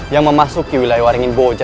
yang memasuki wilayah waringin boja